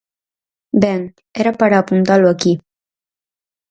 Ben, era para apuntalo aquí.